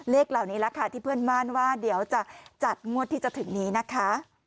เลขเหล่านี้แหละค่ะที่เพื่อนบ้านว่าเดี๋ยวจะจัดงวดที่จะถึงนี้นะคะ